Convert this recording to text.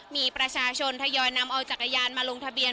มีประชาชนทยอยนำเอาจักรยานมาลงทะเบียน